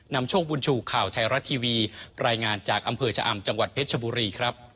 นำโชคบุญชูข่าวไทยรัฐทีวีรายงานจากอำเภอชะอำจังหวัดเพชรชบุรีครับ